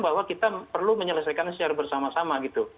bahwa kita perlu menyelesaikan secara bersama sama